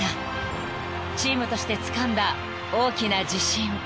［チームとしてつかんだ大きな自信］